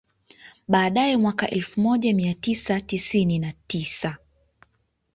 Baadae mwaka elfu moja mia tisa tisini na tisa